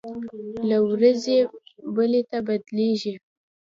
له ورځې بلې ته بدلېږي.